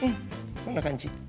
そんな感じ。